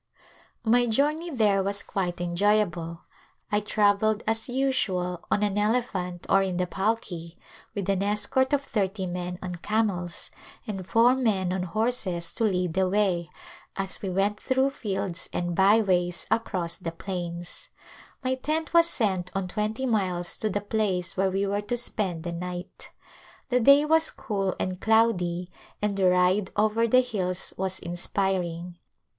My journey there was quite enjoyable. I travelled as usual on an elephant or in the palki, with an escort [ 286] A Visit to Besaii of thirty men on camels and four men on horses to lead the way, as we went through fields and by ways across the plauis. My tent was sent on twenty miles to the place where we were to spend the night. The day was cool and cloudy and the ride over the hills was inspiring.